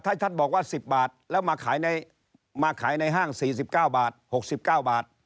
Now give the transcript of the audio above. ถ้าท่านบอกว่า๑๐บาทแล้วมาขายในห้าง๔๙บาท๖๙บาท